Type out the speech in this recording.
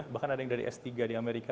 bahkan ada yang dari s tiga di amerika